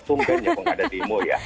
sumpah juga kalau nggak ada demo ya